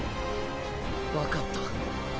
分かった。